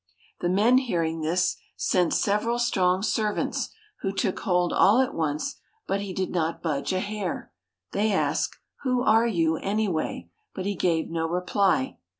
The men, hearing this, sent several strong servants, who took hold all at once, but he did not budge a hair. They asked, "Who are you, anyway?" but he gave no reply.